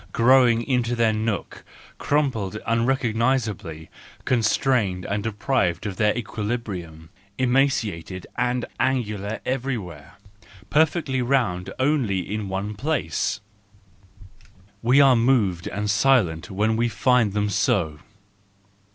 Grown into their nook, crumpled into unrecognisability, constrained, deprived of their equilibrium, emaciated and angular everywhere, perfectly round only in one place,—we are moved and silent when we find them so.